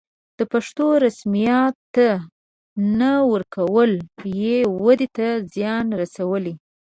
د پښتو رسميت ته نه ورکول یې ودې ته زیان رسولی.